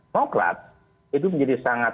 nukrat itu menjadi sangat